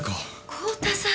浩太さん！